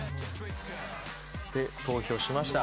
・投票しました。